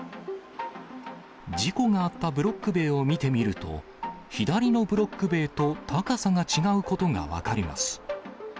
事故があったブロック塀を見てみると、左のブロック塀と高さが違うことが分かります。